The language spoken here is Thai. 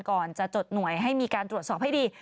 ก่อนจะจดหน่วยให้มีการตรวจสอบให้ดี